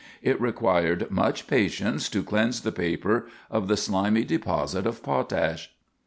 It required much patience to cleanse the paper of the slimy deposit of potash.